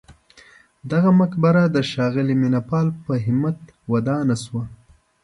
دغه مقبره د ښاغلي مینه پال په همت ودانه شوه.